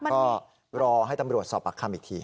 ก็รอให้ตำรวจสอบปากคำอีกที